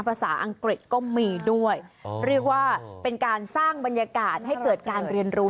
ภาษาอังกฤษก็มีด้วยเรียกว่าเป็นการสร้างบรรยากาศให้เกิดการเรียนรู้